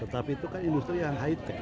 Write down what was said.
tapi itu kan industri yang high tech